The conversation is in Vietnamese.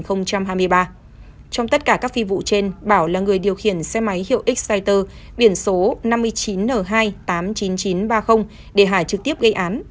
trong tất cả các phi vụ trên bảo là người điều khiển xe máy hiệu exciter biển số năm mươi chín n hai tám mươi chín nghìn chín trăm ba mươi để hải trực tiếp gây án